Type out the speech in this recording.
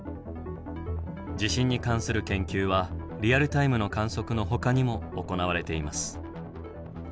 地震に関する研究はリアルタイムの観測のほかにも行われています。